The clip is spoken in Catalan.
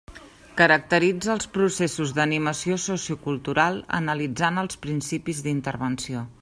Caracteritza els processos d'animació sociocultural, analitzant els principis d'intervenció.